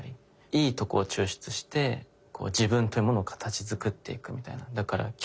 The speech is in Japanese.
いいとこを抽出して自分というものを形づくっていくみたいな。